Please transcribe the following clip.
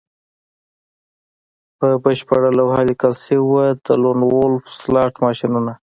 په بشپړه لوحه لیکل شوي وو د لون وولف سلاټ ماشینونه